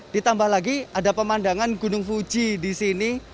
ditambah lagi ada pemandangan gunung fuji di sini